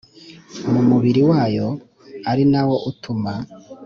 mu mubiri wayo, ari nawo utuma